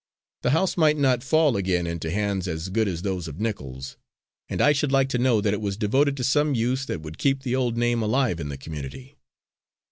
The house might not fall again into hands as good as those of Nichols, and I should like to know that it was devoted to some use that would keep the old name alive in the community."